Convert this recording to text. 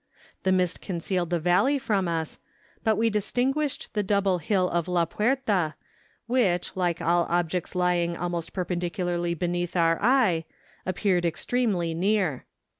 The mist concealed the valley from us, but we distinguished the double hill of La Puerta, which, like all objects lying almost per¬ pendicularly beneath the eye, appeared extremely near.